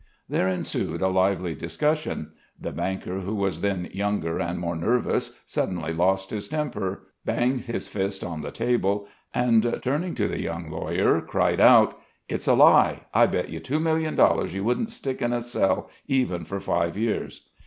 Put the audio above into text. There ensued a lively discussion. The banker who was then younger and more nervous suddenly lost his temper, banged his fist on the table, and turning to the young lawyer, cried out: "It's a lie. I bet you two millions you wouldn't stick in a cell even for five years."